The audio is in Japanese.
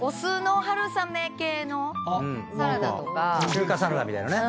中華サラダみたいのね。